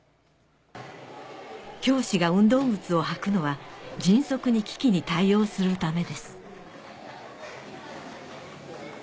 教師が運動靴を履くのは迅速に危機に対応するためです